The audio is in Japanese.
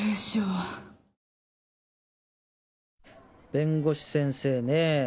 弁護士先生ねえ。